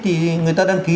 thì người ta đăng ký